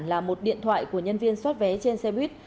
là một điện thoại của nhân viên xoát vé trên xe buýt